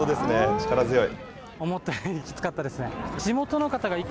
力強い。